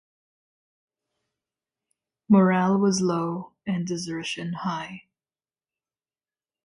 Morale was low and desertion high.